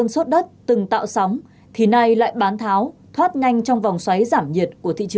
sau đấy là có copy thẻ từ